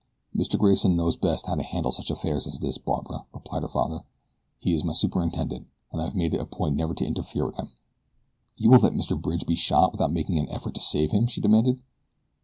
"Mr. Grayson knows best how to handle such an affair as this, Barbara," replied her father. "He is my superintendent, and I have made it a point never to interfere with him." "You will let Mr. Bridge be shot without making an effort to save him?" she demanded.